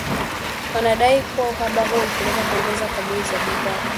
Wanadai kuwa uhaba huo ulipelekea kuongezeka kwa bei za bidhaa